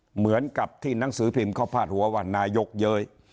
เหมือนกับที่หนังสือพิมพ์เขาพาดหัวว่านายกเย้ย